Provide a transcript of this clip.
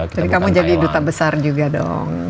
jadi kamu jadi duta besar juga dong